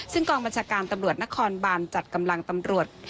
ซึ่งกองบัญชาการตำรวจนครบานจัดกำลังตำรวจ